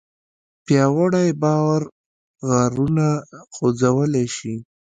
پیاوړی باور غرونه خوځولی شي.